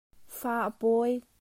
Fa a pawi.